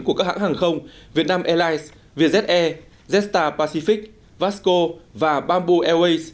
của các hãng hàng không vietnam airlines vietjet air jetstar pacific vasco và bamboo airways